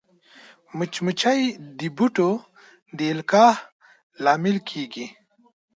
مچمچۍ د بوټو د القاح لامل کېږي